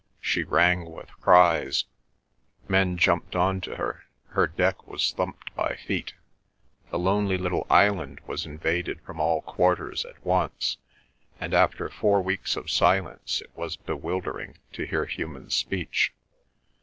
She rang with cries; men jumped on to her; her deck was thumped by feet. The lonely little island was invaded from all quarters at once, and after four weeks of silence it was bewildering to hear human speech.